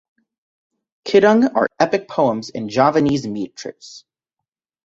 Kidung are epic poems in Javanese metres.